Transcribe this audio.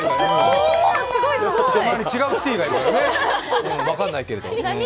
たまに違うキティがいるからね、分かんないけど。